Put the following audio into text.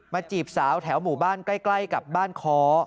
จีบสาวแถวหมู่บ้านใกล้กับบ้านคอ